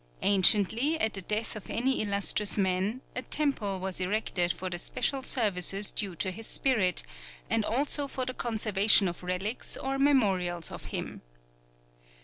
Anciently, at the death of any illustrious man, a temple was erected for the special services due to his spirit, and also for the conservation of relics or memorials of him.